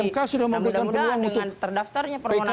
nah mudah mudahan dengan terdaftarnya permohonan gerasi